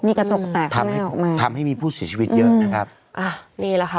นี่กระจกแตกข้างหน้าออกมาทำให้มีผู้เสียชีวิตเยอะนะครับอ่ะนี่แหละค่ะ